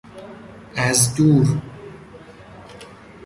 از دور